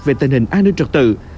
về tình hình an ninh trật tự